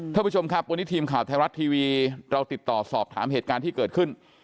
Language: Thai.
ท่านผู้ชมครับวันนี้ทีมข่าวไทยรัฐทีวีเราติดต่อสอบถามเหตุการณ์ที่เกิดขึ้น